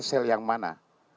sel yang mana